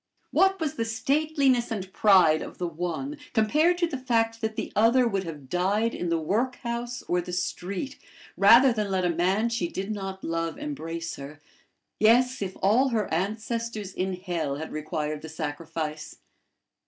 What was the stateliness and pride of the one compared to the fact that the other would have died in the workhouse or the street rather than let a man she did not love embrace her yes, if all her ancestors in hell had required the sacrifice!